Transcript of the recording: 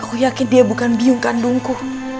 aku yakin dia bukan biung kandungku